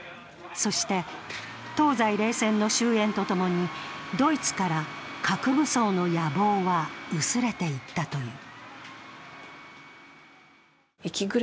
そして東西冷戦の終えんとともにドイツから核武装の野望は薄れていったという。